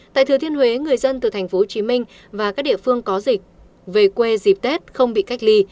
tại thừa thiên huế người dân từ tp hcm và các địa phương có dịch về quê dịp tết không bị cách ly